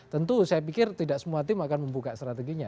tentu saya pikir tidak semua tim akan membuka strateginya